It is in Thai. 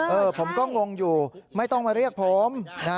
ผมก็งงอยู่ไม่ต้องมาเรียกผมนะ